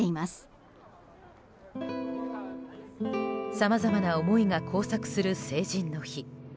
さまざまな思いが交錯する成人の日。